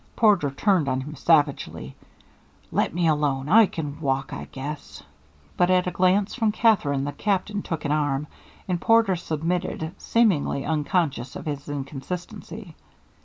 Porter turned on him savagely. "Let me alone. I can walk, I guess." But at a glance from Katherine the Captain took an arm, and Porter submitted, seemingly unconscious of his inconsistency.